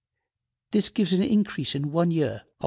This gives an increase in one year of 1.